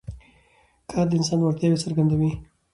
کار د انسان وړتیاوې څرګندوي